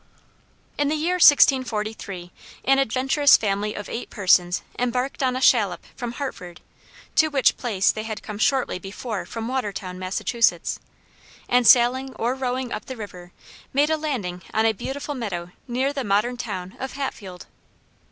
In the year 1643, an adventurous family of eight persons embarked on a shallop from Hartford (to which place they had come shortly before from Watertown, Mass), and sailing or rowing up the river made a landing on a beautiful meadow near the modern town of Hatfield.